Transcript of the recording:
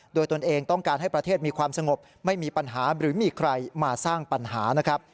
โดยตนเองต้องการให้ประเทศมีความสงบไม่มีปัญหาหรือมีใครมาสร้างปัญหานะครับ